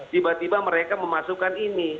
tiba tiba mereka memasukkan ini